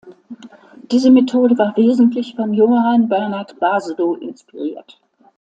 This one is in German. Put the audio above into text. Diese Methode war wesentlich von Johann Bernhard Basedow inspiriert.